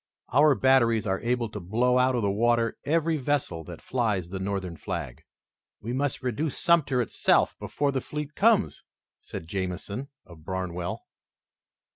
Our batteries are able to blow out of the water every vessel that flies the Northern flag." "We must reduce Sumter itself before the fleet comes," said Jamison, of Barnwell.